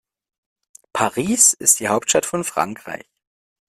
Paris ist die Hauptstadt von Frankreich.